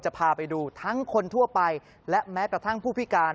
พาไปดูทั้งคนทั่วไปและแม้กระทั่งผู้พิการ